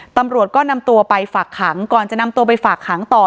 ตำรวจก็นำตัวไปฝากขังก่อนจะนำตัวไปฝากขังต่อ